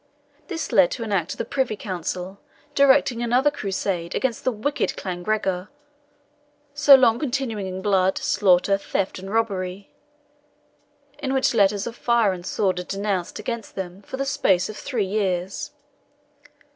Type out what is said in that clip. This led to an act of the Privy Council, directing another crusade against the "wicked clan Gregor, so long continuing in blood, slaughter, theft, and robbery," in which letters of fire and sword are denounced against them for the space of three years.